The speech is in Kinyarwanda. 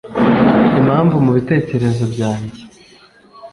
impamvu mubitekerezo byanjye